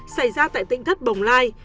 xảy ra tại tỉnh thất bồng lai